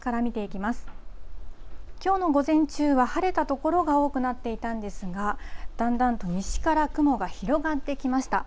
きょうの午前中は晴れた所が多くなっていたんですが、だんだんと西から雲が広がってきました。